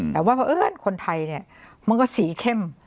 แต่ว่าเพราะเอิญคนไทยเนี่ยมันก็สีเข้ม